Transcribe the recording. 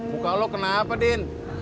muka lo kenapa din